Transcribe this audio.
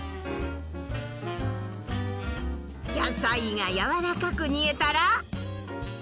野菜が軟らかく煮えたら。